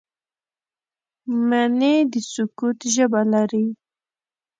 مني د سکوت ژبه لري